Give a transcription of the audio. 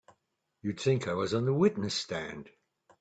You'd think I was on the witness stand!